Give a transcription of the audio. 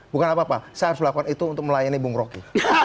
bukan apa apa saya harus melakukan itu untuk melayani bung rocky